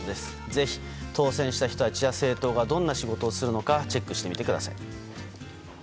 ぜひ当選した人たちが政党がどんな仕事をするのかチェックしてみてください。